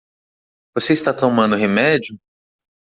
Você está tomando remédio?